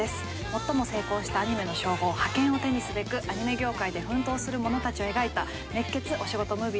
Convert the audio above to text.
最も成功したアニメの称号ハケンを手にすべくアニメ業界で奮闘する者たちを描いた熱血お仕事ムービーとなっています。